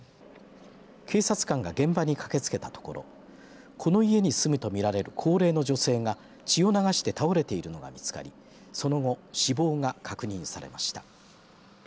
警察官が現場に駆けつけたところこの家に住むと見られる高齢の女性が血を流して倒れているのが見つかりその後死亡が確認されました。